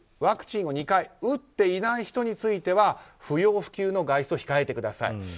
ワクチンを２回打っていない人については不要不急の外出を控えてください。